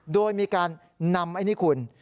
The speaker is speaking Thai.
โดยมีการนำไอ้นี่คุณ